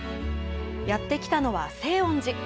やって来たのは清音寺。